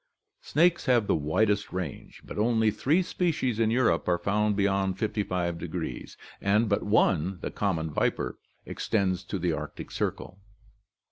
Snakes have the widest range, but only three species in Europe are found beyond 55° and but one, the common viper, extends to the Arctic Circle.